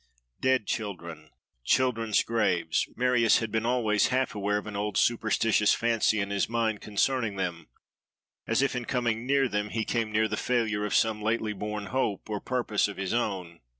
Dead children, children's graves—Marius had been always half aware of an old superstitious fancy in his mind concerning them; as if in coming near them he came near the failure of some lately born hope or purpose of his own.